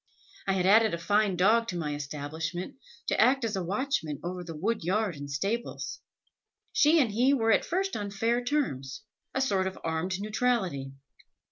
I had added a fine dog to my establishment, to act as a watchman over the wood yard and stables. She and he were at first on fair terms, a sort of armed neutrality.